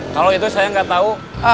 kalau itu saya gak tau